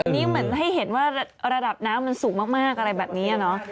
นี่เหมือนให้เห็นว่าระดับน้ำมันสูงมากอะไรแบบนี้เนอะ